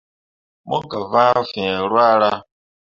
Mo gah vãã fǝ̃ǝ̃ ruahra.